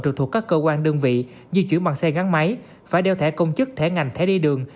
trực thuộc các cơ quan đơn vị di chuyển bằng xe gắn máy phải đeo thẻ công chức thẻ ngành thẻ đi đường